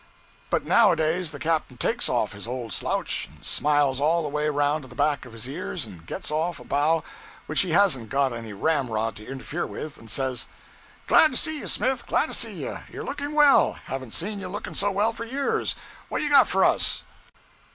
'But nowadays the captain takes off his old slouch, and smiles all the way around to the back of his ears, and gets off a bow which he hasn't got any ramrod to interfere with, and says '"Glad to see you, Smith, glad to see you you're looking well haven't seen you looking so well for years what you got for us?"